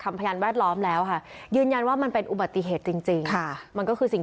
พยานแวดล้อมแล้วค่ะยืนยันว่ามันเป็นอุบัติเหตุจริงจริงค่ะมันก็คือสิ่ง